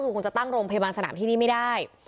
คือคงจะตั้งโรงพยาบาลสนามที่นี่ไม่ได้